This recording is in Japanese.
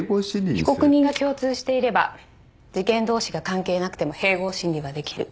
被告人が共通していれば事件同士が関係なくても併合審理はできる。